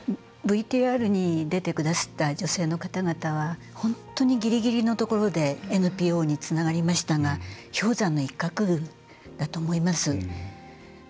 ＶＴＲに出てくださった女性の方々は本当にギリギリのところでＮＰＯにつながりましたが氷山の一角だと思います。